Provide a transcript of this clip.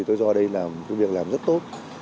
tôi do đây làm việc rất tốt